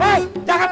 hei bau kebacang kamu